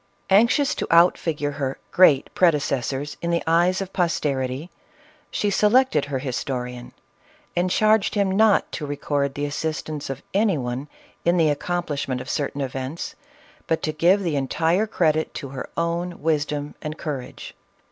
Anxious to out figure her " great" prede cessors in the eyes of posterity, she selected her histo rian, and charged him not to record the assistance of any one in the accomplishment of certain events, but to give the entire credit to her own wisdom and cour age.